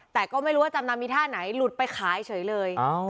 แต่ก็ไม่รู้ว่าจำนำมีท่าไหนหลุดไปขายเฉยเลย